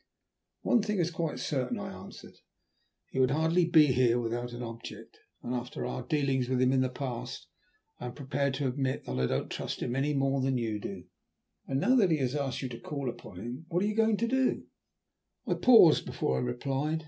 "One thing is quite certain," I answered, "he would hardly be here without an object, and, after our dealings with him in the past, I am prepared to admit that I don't trust him any more than you do." "And now that he has asked you to call upon him what are you going to do?" I paused before I replied.